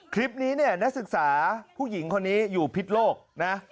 คลิปนี้เนี่ยนักศึกษาผู้หญิงคนนี้อยู่พิษโลกนะ